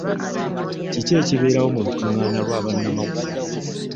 Kiki ekibeerawo mu lukungaana lwa bannamawulire?